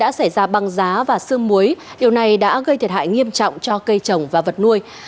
đã xảy ra băng giá và sương muối điều này đã gây thiệt hại nghiêm trọng cho cây trồng và vật nuôi